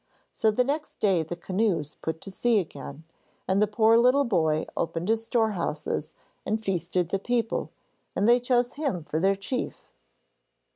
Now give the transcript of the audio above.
So the next day the canoes put to sea again, and the poor little boy opened his storehouses and feasted the people, and they chose him for their chief.